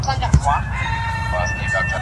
له کومو خلکو نه چې څنګ پکار و.